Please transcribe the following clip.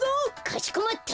かしこまった！